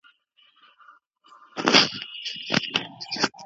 مرکزي کتابتون په خپلواکه توګه نه اداره کیږي.